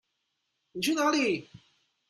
妳去哪裡？